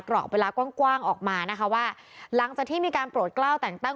อกเวลากว้างออกมานะคะว่าหลังจากที่มีการโปรดกล้าวแต่งตั้ง